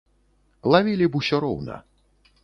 Лавілі б усё роўна.